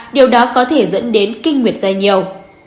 điều đó có thể dẫn đến kinh nguyệt da nhiều